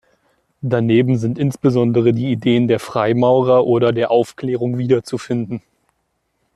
Daneben sind insbesondere die Ideen der Freimaurer oder der Aufklärung wiederzufinden.